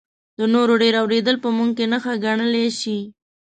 د نورو ډېر اورېدل په موږ کې نښه ګڼلی شي.